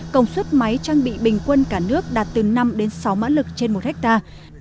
công suất máy trang bị bình quân cả nước đạt từ năm đến sáu mã lực trên một hectare